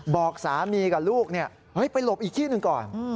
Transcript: บอกสามีกับลูกไปหลบอีกที่หนึ่งก่อน